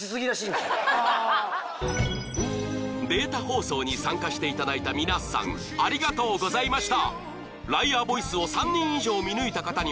［データ放送に参加していただいた皆さんありがとうございました］